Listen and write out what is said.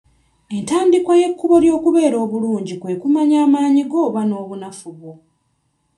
Entandikwa y'ekkubo ly'okubeera obulungi kwe kumanya amaanyi go oba obunafu bwo.